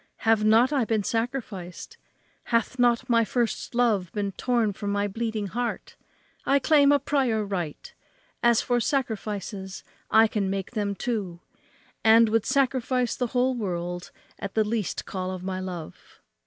have not I been sacrificed? hath not my first love been torn from my bleeding heart? I claim a prior right. As for sacrifices, I can make them too, and would sacrifice the whole world at the least call of my love."